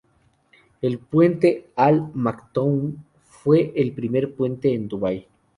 El puente Al Maktoum fue el primer puente en Dubái.